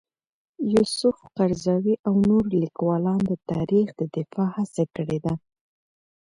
یوسف قرضاوي او نور لیکوالان د تاریخ د دفاع هڅه کړې ده.